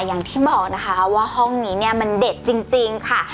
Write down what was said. อย่างที่บอกนะคะว่าห้องนี้เนี่ยมันเด็ดจริงค่ะ